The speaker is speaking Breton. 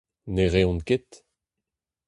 Ne reont ket.